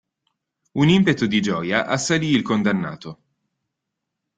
Un impeto di gioia assalì il condannato.